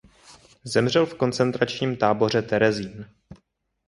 Zemřel v koncentračním táboře Terezín.